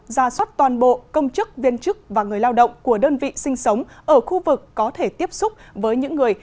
ra soát toàn bộ công chức viên chức và người lao động của đơn vị sinh sống ở khu vực có thể tiếp xúc với những người